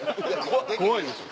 怖いでしょ。